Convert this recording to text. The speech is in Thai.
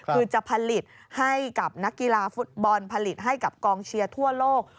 คือจะผลิตให้กับนักกีฬาฟุตบอลผลิตให้กับกองเชียร์ทั่วโลก